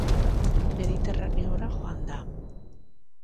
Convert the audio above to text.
Mediterraneora joan da.